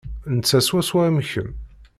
Netta swaswa am kemm.